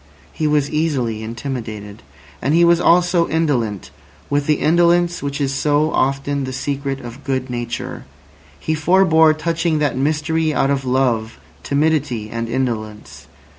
He was easily intimidated. And he was also indolent, with the indolence which is so often the secret of good nature. He forbore touching that mystery out of love, timidity, and indolence.